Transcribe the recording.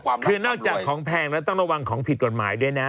คือนอกจากของแพงต้องระวังของผิดกรรมไหล่ด้วยนะ